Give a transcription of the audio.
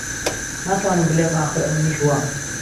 نا توانم بلێم ئاخر ئهمنیش وام